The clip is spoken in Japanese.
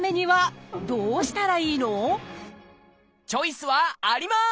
じゃあチョイスはあります！